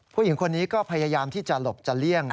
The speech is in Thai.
ผู้หญิงคนนี้ก็พยายามที่จะหลบจะเลี่ยง